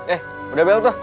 eh udah belok tuh